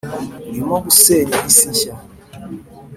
urimo gusenya isi nshya